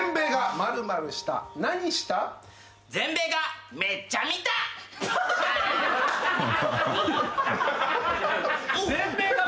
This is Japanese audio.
「全米がめっちゃ観た」は。